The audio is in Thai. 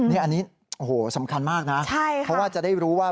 อันนี้สำคัญมากนะเพราะว่าจะได้รู้ว่า